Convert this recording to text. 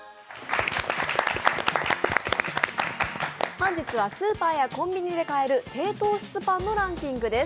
本日はスーパーやコンビニで買える低糖質パンのランキングです。